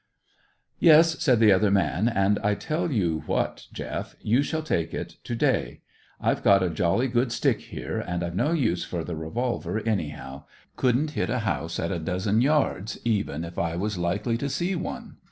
"Yes," said the other man. "And I tell you what, Jeff; you shall take it to day. I've got a jolly good stick here, and I've no use for the revolver, anyhow; couldn't hit a house at a dozen yards, even if I was likely to see one.